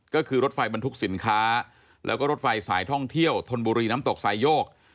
ก็คือรถไฟบรรทุกสินค้าแล้วก็รถไฟสายท่องเที่ยวธนบุรีน้ำตกสายโยก